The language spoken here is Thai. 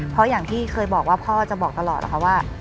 เพราะอย่างที่เคยบอกว่าพ่อจะบอกตลอดนะคะว่า